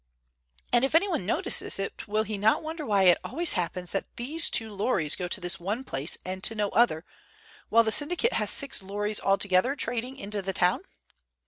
And if anyone notices it will he not wonder why it always happens that these two lorries go to this one place and to no other, while the syndicate has six lorries altogether trading into the town?